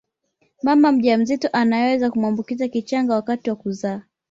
Mama mjamzito anaweza kumwambukiza kichanga wakati wa kuzaa